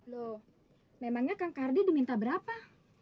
loh memangnya kang kardi diminta berapa